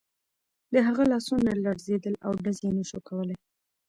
د هغه لاسونه لړزېدل او ډز یې نه شو کولای